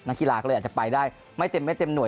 กีฬาก็เลยอาจจะไปได้ไม่เต็มไม่เต็มห่ว